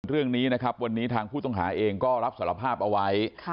เรื่องนี้นะครับวันนี้ทางผู้ต้องหาเองก็รับสารภาพเอาไว้